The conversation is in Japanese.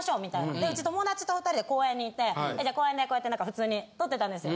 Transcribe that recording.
でうち友達と２人で公園にいて公園でこうやって何か普通に撮ってたんですよ